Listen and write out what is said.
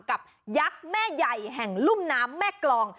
กับยักษ์แม่ใยแห่งรุ่มน้ำแม่กลอง